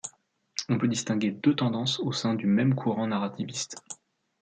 On peut distinguer deux tendances au sein même du courant narrativiste.